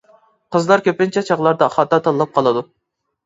قىزلار كۆپىنچە چاغلاردا خاتا تاللاپ قالىدۇ.